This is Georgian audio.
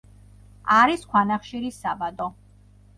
არის ქვანახშირის საბადო.